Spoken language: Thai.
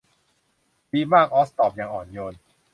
ดีมากออซตอบอย่างอ่อนโยน